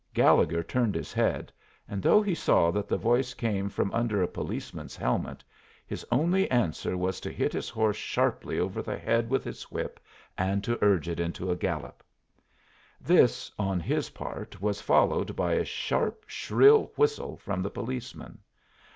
Gallegher turned his head, and though he saw that the voice came from under a policeman's helmet, his only answer was to hit his horse sharply over the head with his whip and to urge it into a gallop. This, on his part, was followed by a sharp, shrill whistle from the policeman.